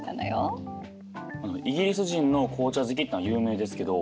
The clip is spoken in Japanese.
イギリス人の紅茶好きっていうのは有名ですけど。